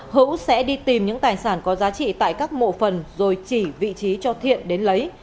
hữu sẽ đi tìm những tài sản có giá trị tại các mộ phần rồi chỉ vị trí cho thiện đến lấy